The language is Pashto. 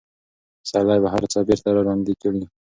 پسرلی به هر څه بېرته راژوندي کړي.